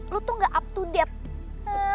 lu tuh gak up to date